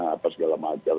apa segala macam